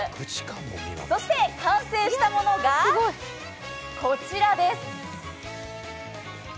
そして完成したものがこちらです。